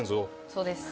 そうです